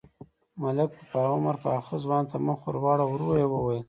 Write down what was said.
ملک په عمر پاخه ځوان ته مخ ور واړاوه، ورو يې وويل: